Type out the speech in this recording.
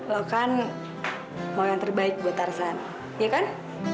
lo kan mau yang terbaik buat tarsan ya kan